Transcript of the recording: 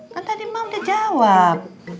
kan tadi bang udah jawab